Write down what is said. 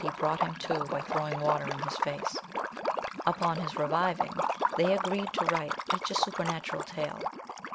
he brought him to by throwing water in his face. Upon his reviving, they agreed to write each a super natural tale.